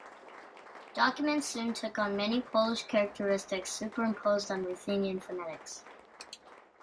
Documents soon took on many Polish characteristics superimposed on Ruthenian phonetics.